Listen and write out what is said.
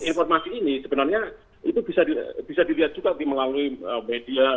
informasi ini sebenarnya itu bisa dilihat juga melalui media